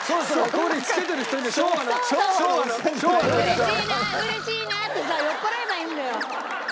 「嬉しいな嬉しいな」ってさ酔っ払えばいいんだよ。